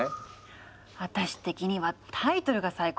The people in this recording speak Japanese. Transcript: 私的にはタイトルが最高ね。